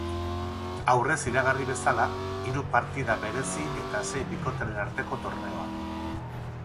Aurrez iragarri bezala hiru partida berezi eta sei bikoteren arteko torneoa.